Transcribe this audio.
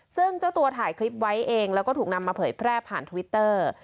ซึ่งเจ้าตัวถ่ายคลิปไว้เองแล้วก็ถูกนำมาเผยแพร่ผ่านทวิตเตอร์